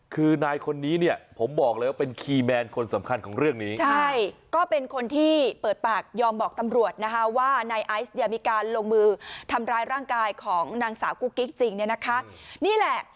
คือนายคนนี้เนี่ยผมบอกเลยว่าเป็นคีย์แมนคนสำคัญของเรื่องนี้ใช่ก็เป็นคนที่เปิดปากยอมบอกตำรวจนะคะว่านายไอซ์เนี่ยมีการลงมือทำร้ายร่างกายของนางสาวกุ๊กกิ๊กจริงเนี่ยนะคะนี่แหละ